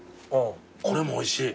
これもおいしい。